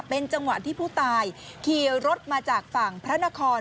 เป็นจังหวะที่ผู้ตายขี่รถมาจากฝั่งพระนคร